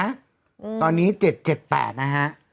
ตอนนี้๗๗๘นะฮะ